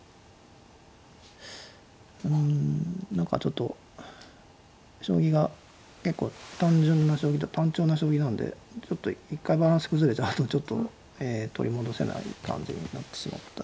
うん何かちょっと将棋が結構単純な将棋単調な将棋なんでちょっと一回バランス崩れちゃうと取り戻せない感じになってしまったですね。